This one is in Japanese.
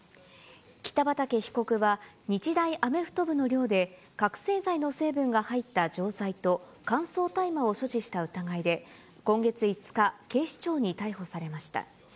北畠被告は、日大アメフト部の寮で覚醒剤の成分が入った錠剤と乾燥大麻を所持した疑いで、今月５日、警視庁に逮捕されました。